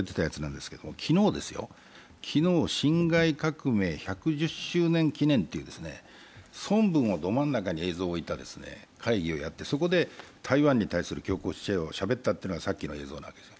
昨日、辛亥革命１１０周年記念という、孫文をど真ん中に映像を置いた会議をやって、そこで台湾に対する強硬姿勢をしゃべったというのがさっきの映像なんです。